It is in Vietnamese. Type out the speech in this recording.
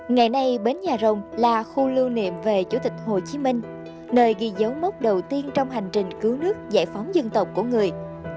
ngày nay bến nhà rồng là khu lưu niệm về chủ tịch hồ chí minh nơi ghi dấu mốc đầu tiên trong hành trình cứu nước giải phóng dân tộc của người